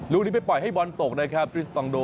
ลูกนี้ไปปล่อยให้บอลตกนะครับทริสตองโด